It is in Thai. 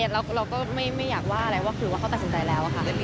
เราก็ไม่อยากว่าอะไรว่าคือว่าเขาตัดสินใจแล้วค่ะ